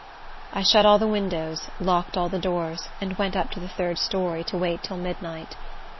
I shut all the windows, locked all the doors, and went up to the third story, to wait till midnight.